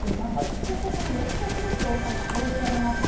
そしてそのよくとしに交際が報じられました。